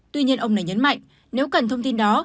tuy nhiên ông này nhấn mạnh nếu cần thông tin đó